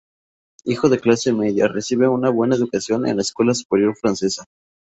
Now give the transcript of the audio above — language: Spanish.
Hijo de clase media, recibe una buena educación en la Escuela Superior Francesa.